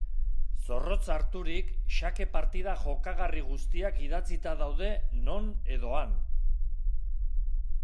Zorrotz harturik, xake-partida jokagarri guztiak idatzita daude non edo han.